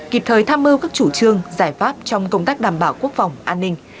kịp thời tham mưu các chủ trương giải pháp trong công tác đảm bảo quốc phòng an ninh